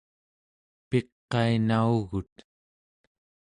piqainaugut